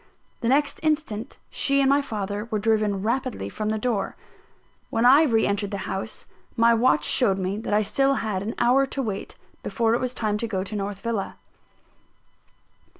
The next instant she and my father were driven rapidly from the door. When I re entered the house, my watch showed me that I had still an hour to wait, before it was time to go to North Villa.